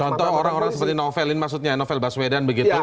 contoh orang orang seperti novelin maksudnya novel baswedan begitu